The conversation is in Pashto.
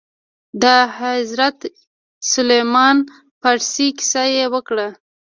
د حضرت سلمان فارس کيسه يې وکړه.